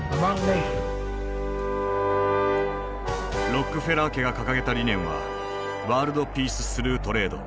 ロックフェラー家が掲げた理念は「ワールド・ピース・スルー・トレード」。